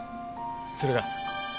それが？